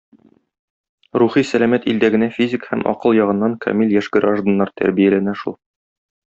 Рухи сәламәт илдә генә физик һәм акыл ягыннан камил яшь гражданнар тәрбияләнә шул.